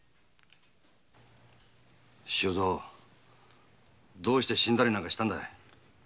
周蔵どうして死んだりなんかしたんだい。